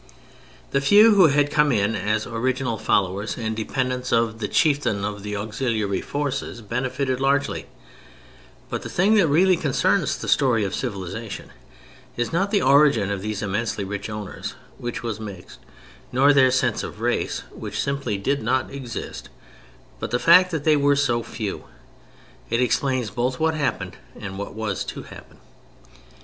The few who had come in as original followers and dependents of the "chieftain" of the auxiliary forces benefited largely; but the thing that really concerns the story of civilization is not the origin of these immensely rich owners (which was mixed), nor their sense of race (which simply did not exist), but the fact that they were so few. It explains both what happened and what was to happen.